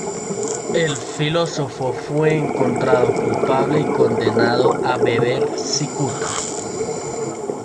El filósofo fue encontrado culpable y condenado a beber cicuta.